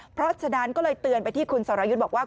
เพราะฉะนั้นก็เลยเตือนไปที่คุณสรยุทธ์บอกว่า